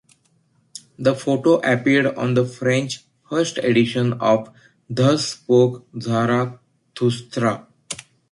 The photo appeared on the French first edition of "Thus Spoke Zarathustra".